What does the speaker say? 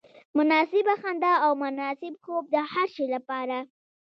مناسبه خندا او مناسب خوب د هر شي لپاره.